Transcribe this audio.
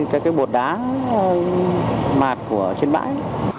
cái cái bột đá mạt của trên bãi